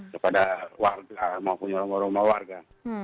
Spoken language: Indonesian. kepada warga maupun warga warga